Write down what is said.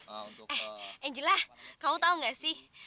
eh angela kamu tau gak sih